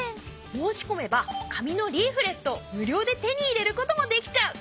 申し込めば紙のリーフレットを無料で手に入れることもできちゃう！